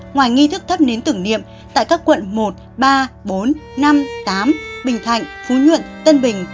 ngoài nghi thức thắp nến tưởng niệm tại các quận một ba bốn năm tám bình thạnh phú nhuận tân bình